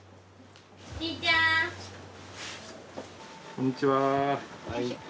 こんにちは。